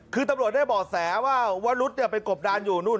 คือตำรวจได้บ่อแสว่าวรุษไปกบดานอยู่นู่น